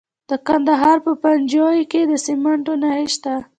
د کندهار په پنجوايي کې د سمنټو مواد شته.